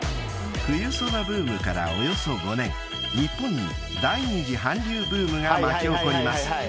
［『冬ソナ』ブームからおよそ５年日本に第２次韓流ブームが巻き起こります］